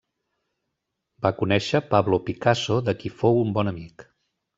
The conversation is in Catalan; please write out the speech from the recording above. Va conèixer Pablo Picasso, de qui fou un bon amic.